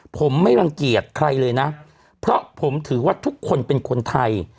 ผมไม่รังเกียจใครเลยนะเพราะผมถือว่าทุกคนเป็นคนไทย